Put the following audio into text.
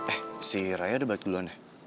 eh si raya udah balik duluan ya